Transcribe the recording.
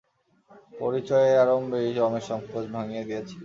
পরিচয়ের আরম্ভেই রমেশ সংকোচ ভাঙিয়া দিয়াছিল।